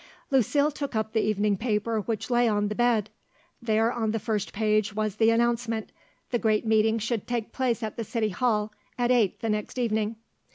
Lucile took up the evening paper which lay on the bed. There on the first page was the announcement, the great meeting would take place at the City Hall at eight the next evening.